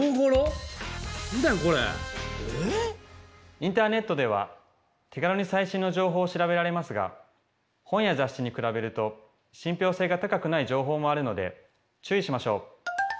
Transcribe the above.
インターネットでは手軽に最新の情報を調べられますが本や雑誌に比べると信ぴょう性が高くない情報もあるので注意しましょう。